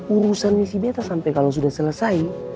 urusan nih si betta sampe kalo sudah selesai